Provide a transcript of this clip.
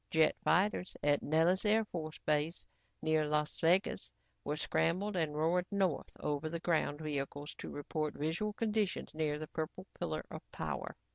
Jet fighters at Nellis Air Force base near Las Vegas, were scrambled and roared north over the ground vehicles to report visual conditions near the purple pillar of power.